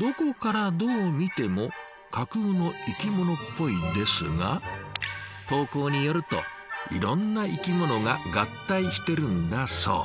どこからどう見ても架空の生きものっぽいですが投稿によるといろんな生きものが合体してるんだそう。